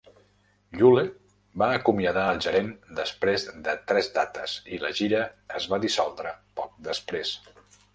Yule va acomiadar al gerent després de tres dates i la gira es va dissoldre poc després.